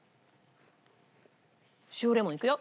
塩レモンいくよ。